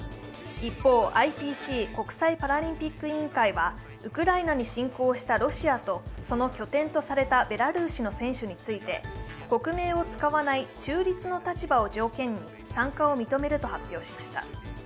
一方ＩＰＣ＝国際パラリンピック委員会はウクライナに侵攻したロシアとその拠点とされたベラルーシの選手について国内を使わない中立の立場を条件に参加を認めると発表しました。